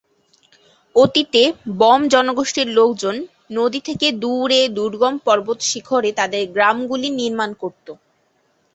অতীতে বম জনগোষ্ঠীর লোকজন নদী থেকে দূরে দুর্গম পর্বত শিখরে তাদের গ্রামগুলি নির্মাণ করত।